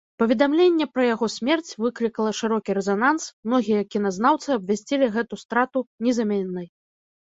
Паведамленне пра яго смерць выклікала шырокі рэзананс, многія кіназнаўцы абвясцілі гэту страту незаменнай.